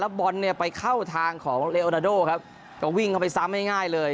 บอลเนี่ยไปเข้าทางของเลโอนาโดครับก็วิ่งเข้าไปซ้ำง่ายเลย